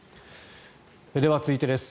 では、続いてです。